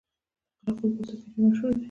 د قره قل پوستکي ډیر مشهور دي